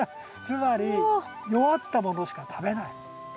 つまり弱ったものしか食べない。